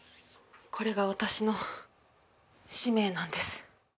これが私の使命なんです。